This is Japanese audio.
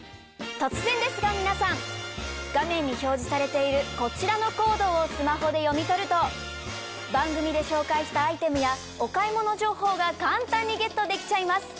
突然ですが皆さん画面に表示されているこちらのコードをスマホで読み取ると番組で紹介したアイテムやお買い物情報が簡単にゲットできちゃいます！